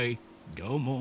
どうも。